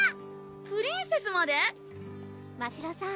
プリンセスまで⁉ましろさん